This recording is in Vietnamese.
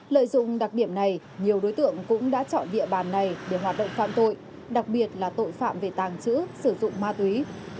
lợi dụng đặc điểm này nhiều đối tượng cũng đã chọn địa bàn này để hoạt động phạm tội đặc biệt là tội phạm về tàng trữ sử dụng ma túy